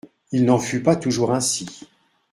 Il n’en fut pas toujours ainsi…